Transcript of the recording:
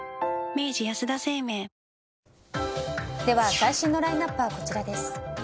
最新のラインアップはこちらです。